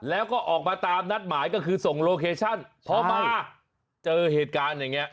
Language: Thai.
แล้วก็ออกมาตามนัดหมายก็คือส่งโลเคชันพอมาเจอเหตุการณ์อย่างนี้